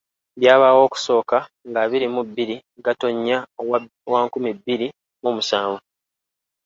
Byabaawo okusooka ng'abiri mu bbiri Gatonnya wa nkumi bbiri mu musanvu.